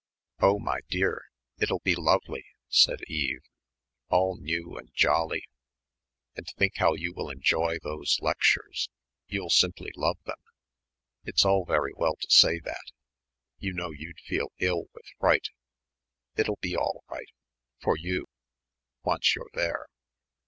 "Oh, my dear, it'll be lovely," said Eve; "all new and jolly, and think how you will enjoy those lectures, you'll simply love them." "It's all very well to say that. You know you'd feel ill with fright." "It'll be all right for you once you're there."